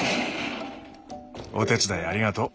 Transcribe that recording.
お手伝いありがとう。